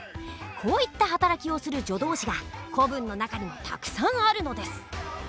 こういった働きをする助動詞が古文の中にはたくさんあるのです。